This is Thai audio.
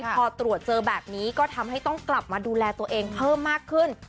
พอตรวจเจอแบบนี้ก็ทำให้ต้องกลับมาดูแลตัวเองเพิ่มมากขึ้น